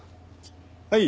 はい。